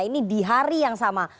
ini di hari yang sama